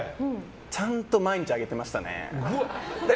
ちゃんと毎日上げてましたね。